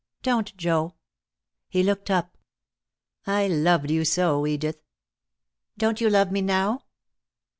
"Don't, Joe!" He looked up. "I loved you so, Edith!" "Don't you love me now?"